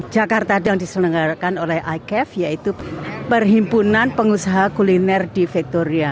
jakarta yang diselenggarakan oleh icaf yaitu perhimpunan pengusaha kuliner di victoria